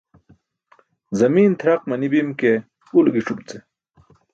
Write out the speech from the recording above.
Zami̇n tʰraq manibim ke ulo gi̇c̣umce.